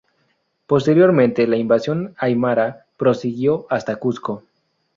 Posteriormente, la invasión aymara prosiguió hasta Cusco.